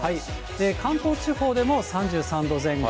関東地方でも３３度前後。